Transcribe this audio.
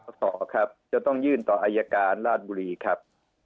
ขอครับจะต้องยื่นต่ออายการราชบุรีครับ